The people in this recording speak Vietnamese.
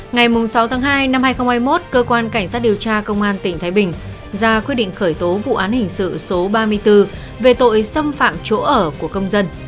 ngày sáu tháng hai năm hai nghìn hai mươi một cơ quan cảnh sát điều tra công an tỉnh thái bình ra quyết định khởi tố vụ án hình sự số ba mươi bốn về tội xâm phạm chỗ ở của công dân